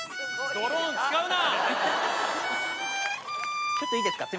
ドローン使うな！